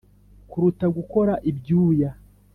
kuruta gukora ibyuya